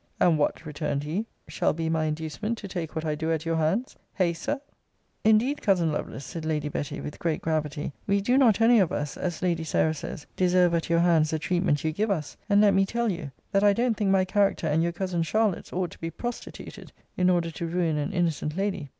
And what, returned he, shall be my inducement to take what I do at your hands? Hay, Sir? Indeed, Cousin Lovelace, said Lady Betty, with great gravity, we do not any of us, as Lady Sarah says, deserve at your hands the treatment you give us: and let me tell you, that I don't think my character and your cousin Charlotte's ought to be prostituted, in order to ruin an innocent lady.